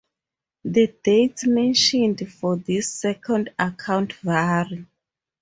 The dates mentioned for this second account vary.